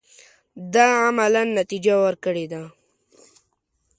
دا عملاً نتیجه ورکړې ده.